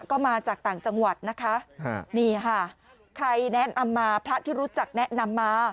ก็มาจากต่างจังหวัดนะคะนี่ค่ะใครแนะนำมาพระที่รู้จักแนะนำมา